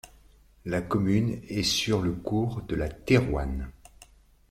La commune est sur le cours de la Thérouanne.